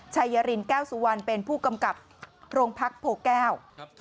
ชัยรินแก้วสุวรรณเป็นผู้กำกับโรงพักโพแก้ว